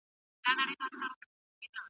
موږ باید د شیدو سره بوره نه ګډه کړو.